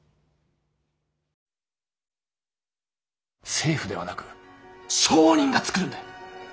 政府ではなく商人が作るんだ。